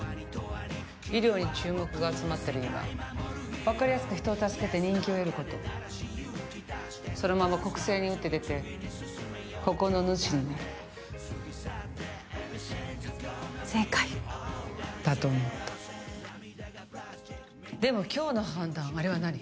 医療に注目が集まってる今分かりやすく人を助けて人気を得ることそのまま国政に打って出てここの主になる正解だと思ったでも今日の判断あれは何？